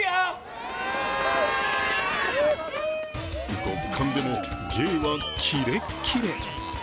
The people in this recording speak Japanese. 極寒でも芸はキレッキレ。